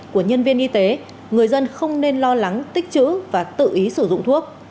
của nhân viên y tế người dân không nên lo lắng tích chữ và tự ý sử dụng thuốc